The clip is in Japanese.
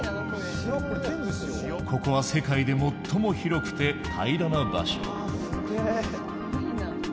ここは世界でもっとも広くて平らな場所。